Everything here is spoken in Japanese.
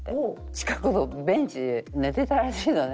近くのベンチで寝てたらしいのね。